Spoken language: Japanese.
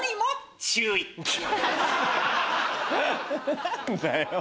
何だよ！